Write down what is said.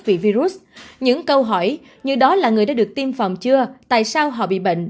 vì virus những câu hỏi như đó là người đã được tiêm phòng chưa tại sao họ bị bệnh